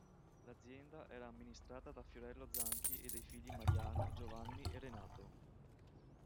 L'azienda era amministrata da Fiorello Zanchi e dai figli Mariano, Giovanni e Renato.